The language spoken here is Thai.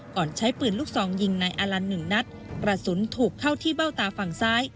ใช้ปืนลูกซองยิงนายอาลันหนึ่งนัดกระสุนถูกเข้าที่เบ้าตาฝั่งซ้าย